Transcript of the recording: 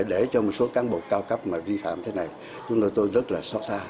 để cho một số cán bộ cao cấp mà vi phạm thế này chúng tôi rất là xót xa